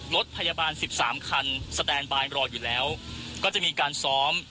รถพยาบาลสิบสามคันอยู่แล้วก็จะมีการซ้อม